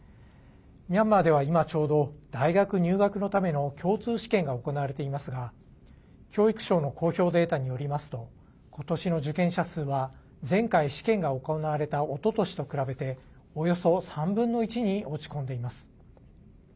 ミャンマーでは今ちょうど大学入学のための共通試験が行われていますが教育省の公表データによりますとことしの受験者数は前回、試験が行われたおととしと比べておよそ３分の１に落ち込んでいます。